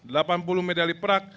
dan seratus medali perak